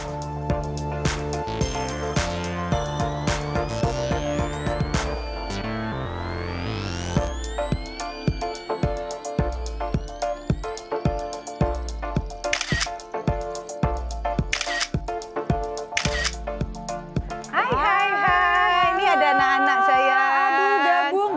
hai hai hai ini ada anak anak sayang